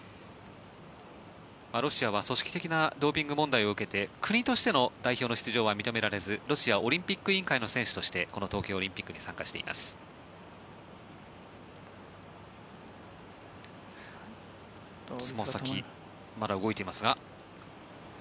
ロシアは組織的なドーピング問題を受けて国としての代表の出場は認められずロシアオリンピック委員会の選手としてこの東京オリンピックに参加しています。